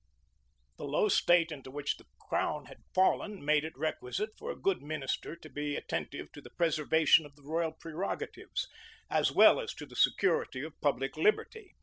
The low state into which the crown was fallen, made it requisite for a good minister to be attentive to the preservation of the royal prerogatives, as well as to the security of public liberty.